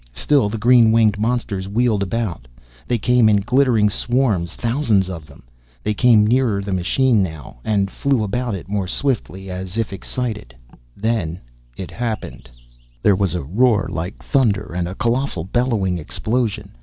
Still the green winged monsters wheeled about. They came in glittering swarms, thousands of them. They came nearer the machine now, and flew about more swiftly, is if excited. Then it happened. There was a roar like thunder, and a colossal, bellowing explosion.